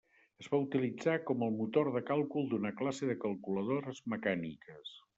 Es va utilitzar com el motor de càlcul d'una classe de calculadores mecàniques.